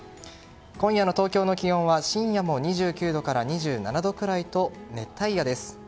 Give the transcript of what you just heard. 今夜の東京の気温は深夜も２９度から２７度くらいと熱帯夜です。